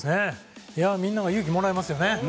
みんなが勇気をもらえますね。